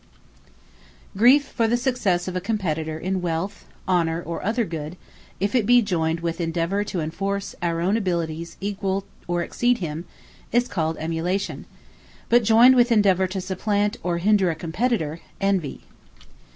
Emulation Envy Griefe, for the success of a Competitor in wealth, honour, or other good, if it be joyned with Endeavour to enforce our own abilities to equal or exceed him, is called EMULATION: but joyned with Endeavour to supplant or hinder a Competitor, ENVIE.